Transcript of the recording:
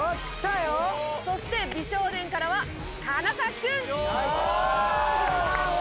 そして美少年からは金指君！